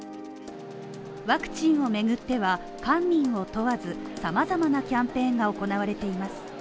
ワクチンをめぐっては、官民を問わず様々なキャンペーンが行われています。